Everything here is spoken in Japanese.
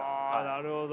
なるほど。